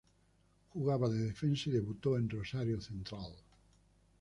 Jugaba de defensa y debutó en Rosario Central.